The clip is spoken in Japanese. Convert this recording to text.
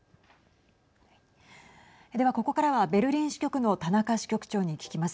では、ここからはベルリン支局の田中支局長に聞きます。